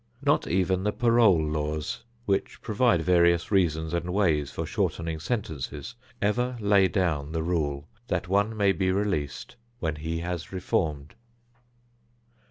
Not even the parole laws, which provide various reasons and ways for shortening sentences, ever lay down the rule that one may be released when he has reformed.